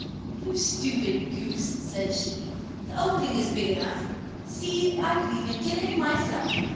"You stupid goose," said she, "the opening is big enough. See, I could even get in myself!"